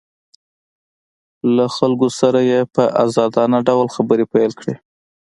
له خلکو سره یې په ازادانه ډول خبرې پیل کړې